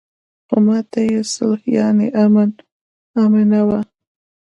خو مانا يې صلح يانې امن آمنه وه.